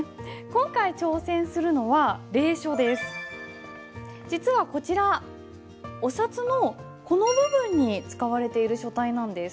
今回挑戦するのは実はこちらお札のこの部分に使われている書体なんです。